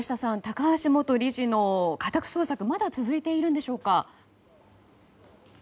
高橋元理事の家宅捜索はまだ続いているんでしょうか。